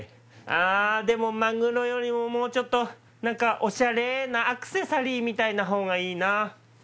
あぁでもマグロよりももうちょっとオシャレなアクセサリーみたいなほうがいいな。